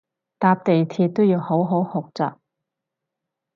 搭地鐵都要好好學習